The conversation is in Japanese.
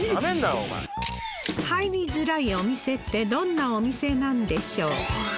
お前入りづらいお店ってどんなお店なんでしょう